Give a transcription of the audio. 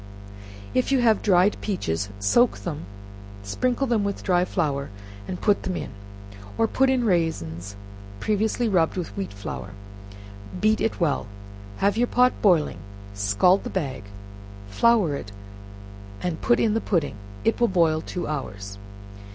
If you have dried peaches, soak them; sprinkle them with dry flour, and put them in, or put in raisins, previously rubbed with wheat flour beat it well; have your pot boiling, scald the bag, flour it, and put in the pudding, it will boil in two hours.